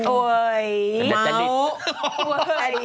โอ๊ยจัดดิส